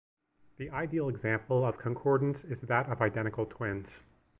The ideal example of concordance is that of identical twins.